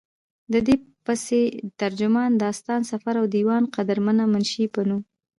ددې پسې، ترجمان، داستان سفر او ديوان قدرمند منشي پۀ نوم